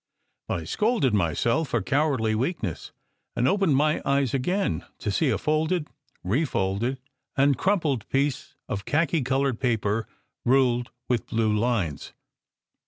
But I scolded myself for cowardly weak ness, and opened my eyes again to see a folded, refolded, and crumpled piece of khaki coloured paper ruled with blue lines.